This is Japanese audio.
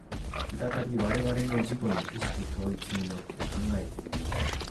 再び我々の自己の意識統一によって考えて見よう。